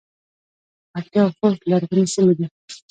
پکتیا او خوست لرغونې سیمې دي